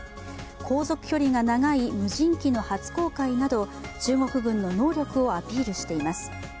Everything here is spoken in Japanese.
航続距離が長い無人機の初公開など中国軍の能力をアピールしています。